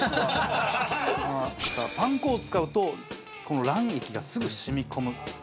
パン粉を使うとこの卵液がすぐ染み込む。